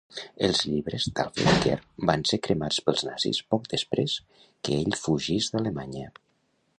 Els llibres d'Alfred Kerr van ser cremats pels nazis poc després que ell fugís d'Alemanya.